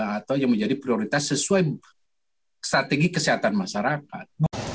atau yang menjadi prioritas sesuai strategi kesehatan masyarakat